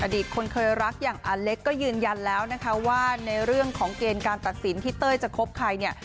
ตคนเคยรักอย่างอเล็กก็ยืนยันแล้วนะคะว่าในเรื่องของเกณฑ์การตัดสินที่เต้ยจะคบใครเนี่ย